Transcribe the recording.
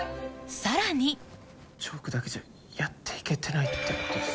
さらにチョークだけじゃやっていけてないってことですか。